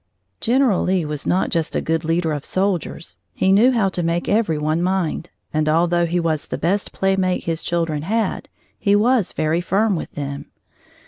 General Lee was not just a good leader of soldiers; he knew how to make everyone mind, and although he was the best playmate his children had, he was very firm with them.